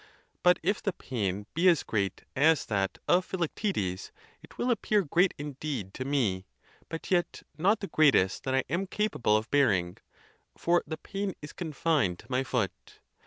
But if the pain be as great as that of Philoctetes, it will appear great indeed to me, but yet not the greatest that I am capable of bearing; for the pain is confined to my foot.